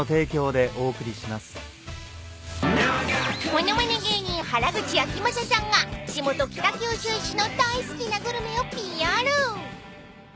［物まね芸人原口あきまささんが地元北九州市の大好きなグルメをＰＲ］